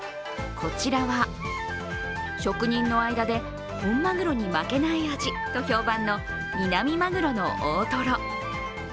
こちらは職人の間で本まぐろに負けない味と評判のミナミマグロの大トロ。